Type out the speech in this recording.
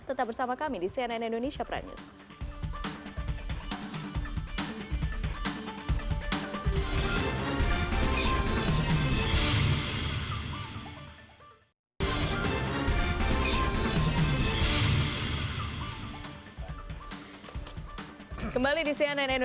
tetap bersama kami di cnn indonesia heed